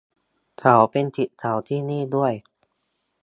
เขาเป็นศิษย์เก่าที่นี่ด้วย